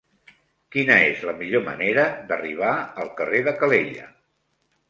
Quina és la millor manera d'arribar al carrer de Calella?